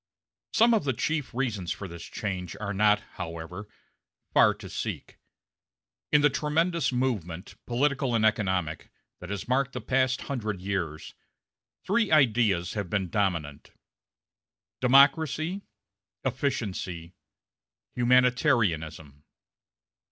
Some of the chief reasons for this change are not, however, far to seek. In the tremendous movement, political and economic, that has marked the past hundred years, three ideas have been dominant democracy, efficiency, humanitarianism.